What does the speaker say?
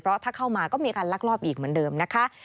เพราะถ้าเข้ามาก็มีการลักลอบอีกเหมือนเดิมนะคะ